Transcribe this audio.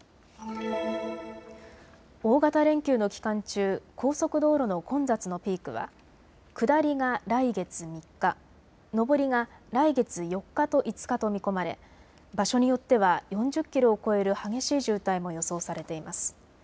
大型連休の期間中、高速道路の混雑のピークは下りが来月３日、上りが来月４日と５日と見込まれ場所によっては４０キロを超える激しい渋滞も予想されています。